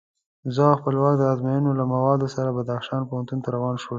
زه او خپلواک د ازموینو له موادو سره بدخشان پوهنتون ته روان شوو.